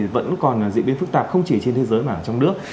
vẫn còn diễn biến phức tạp không chỉ trên thế giới mà trong nước